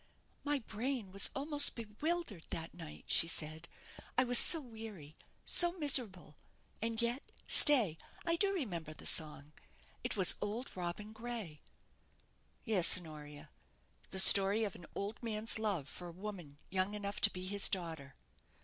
"My brain was almost bewildered that night," she said; "I was so weary, so miserable; and yet, stay, I do remember the song. It was 'Auld Robin Gray.'" "Yes, Honoria, the story of an old man's love for a woman young enough to be his daughter.